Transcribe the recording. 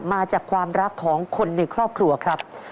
มาจากความรักของคนในครอบครัวครับ